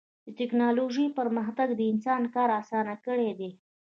د ټکنالوجۍ پرمختګ د انسان کار اسان کړی دی.